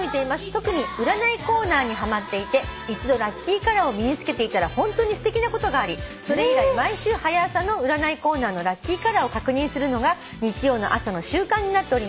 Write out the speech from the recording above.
特に占いコーナーにはまっていて一度ラッキーカラーを身に着けていたらホントにすてきなことがありそれ以来毎週『はや朝』の占いコーナーのラッキーカラーを確認するのが日曜の朝の習慣になっております」